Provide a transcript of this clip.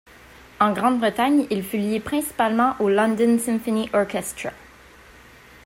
En Grande-Bretagne, il fut lié principalement au London Symphony Orchestra.